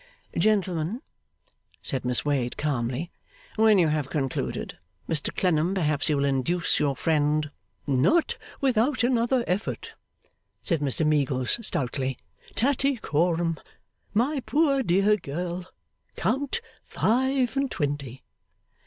'Gentlemen!' said Miss Wade, calmly. 'When you have concluded Mr Clennam, perhaps you will induce your friend ' 'Not without another effort,' said Mr Meagles, stoutly. 'Tattycoram, my poor dear girl, count five and twenty.